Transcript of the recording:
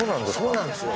そうなんですよ。